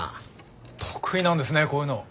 得意なんですねこういうの。